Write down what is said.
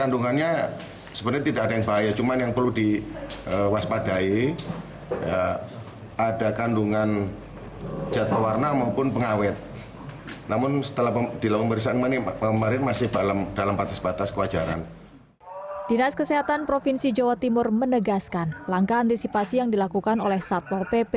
dinas kesehatan provinsi jawa timur menegaskan langkah antisipasi yang dilakukan oleh satpol pp